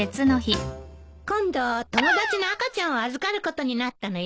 今度友達の赤ちゃんを預かることになったのよ。